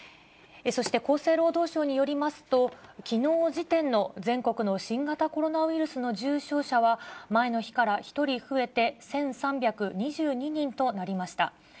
そして、厚生労働省によりますと、きのう時点の全国の新型コロナウイルスの重症者は、前の日から１人増えて１３２２人となりました。